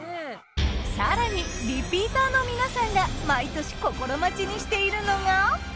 更にリピーターの皆さんが毎年心待ちにしているのが。